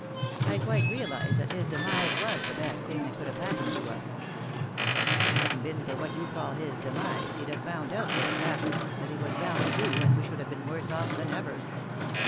" I quite realise that his demise was the best thing that could have happened to us." " If it hadn't been for what you call his demise he'd have found out what had happened t as he was bound to do, and we should have been worse off than ever."